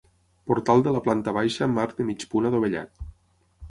Portal de la planta baixa amb arc de mig punt adovellat.